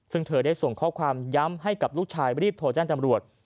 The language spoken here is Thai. ซึ่งเธอได้ส่งข้อความย้ำให้กับลูกชายรีบโทรแจ้งจำรวจ